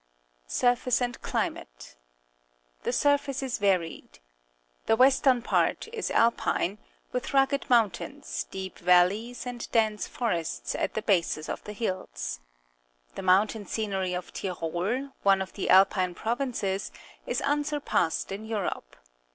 Surface and Climate. — The surface is varied. The eastern part is Alpine, with rugged mountains, deep valleys, and dense forests at the bases of the hills. The moun tain scenery of Tyrol, one of the Alpine provinces, is unsurpassed in Europe.